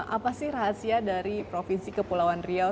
apa sih rahasia dari provinsi kepulauan riau